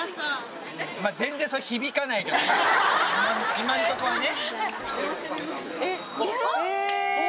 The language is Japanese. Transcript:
今んとこはね。